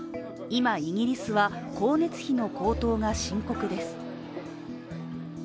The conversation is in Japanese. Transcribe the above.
今、イギリスは光熱費の高騰が深刻です。